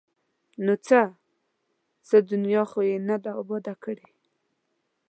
ـ نو څه؟ څه دنیا خو یې نه ده اباده کړې!